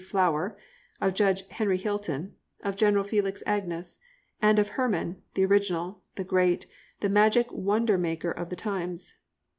Flower, of Judge Henry Hilton, of General Felix Agnus and of Hermann, the original, the great, the magic wonder maker of the times.